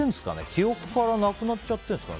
記憶からなくなっちゃってるんですかね。